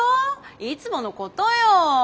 いつものことよ。